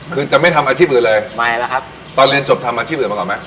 คือจะไม่ทำอาชีพอื่นเลยไม่แล้วครับตอนเรียนจบทำอาชีพอื่นมาก่อนไหม